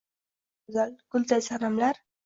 Dunyo juda go‘zal, gulday sanamlar